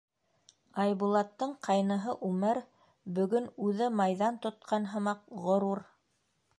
Айбулаттың ҡайныһы Үмәр, бөгөн үҙе майҙан тотҡан һымаҡ, ғорур: